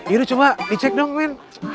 iru coba dicek dong men